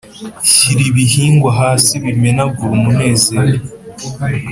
shyira ibihingwa hasi, bimenagura umunezero.